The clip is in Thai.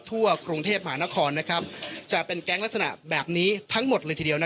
ทั่วกรุงเทพมหานครจะเป็นแก๊งลักษณะแบบนี้ทั้งหมดเลยทีเดียว